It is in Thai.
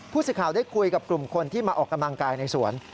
สิทธิ์ได้คุยกับกลุ่มคนที่มาออกกำลังกายในสวน